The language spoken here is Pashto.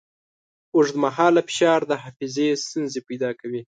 اوږدمهاله فشار د حافظې ستونزې پیدا کوي.